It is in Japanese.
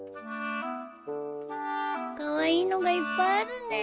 カワイイのがいっぱいあるね。